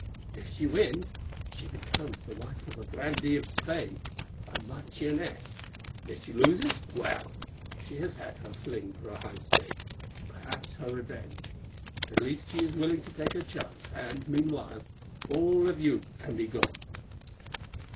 If she wins, she becomes the wife of a grandee of Spain, a marchioness; and if she loses, well, she has had her fling for a high stake, and perhaps her revenge. At least she is willing to take her chance, and, meanwhile, all of you can be gone."